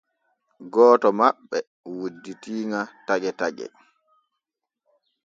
Gooto maɓɓe wudditi ŋa taƴe taƴe.